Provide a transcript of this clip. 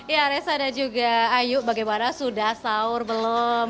ya reza dan juga ayu bagaimana sudah sahur belum